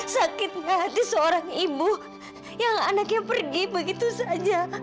sakit hati seorang ibu yang anaknya pergi begitu saja